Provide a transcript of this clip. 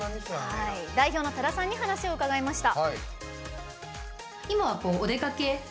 代表の多田さんに話を伺いました。